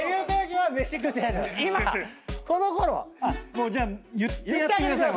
もうじゃ言ってやってください。